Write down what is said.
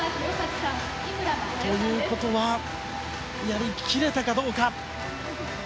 ということはやり切れたかどうか。